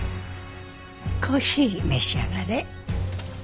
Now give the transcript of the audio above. コーヒー召し上がれ。